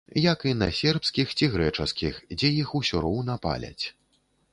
Як і на сербскіх ці грэчаскіх, дзе іх усё роўна паляць.